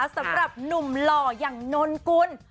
สำหรับหนุ่มหล่ออย่างนนกุล